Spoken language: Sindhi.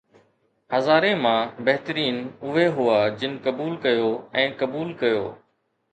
ھزارين مان بھترين اھي ھئا جن قبول ڪيو ۽ قبول ڪيو